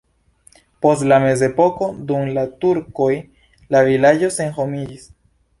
Post la mezepoko dum la turkoj la vilaĝo senhomiĝis.